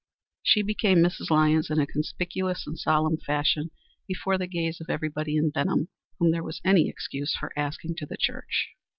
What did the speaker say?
She became Mrs. Lyons in a conspicuous and solemn fashion before the gaze of everybody in Benham whom there was any excuse for asking to the church.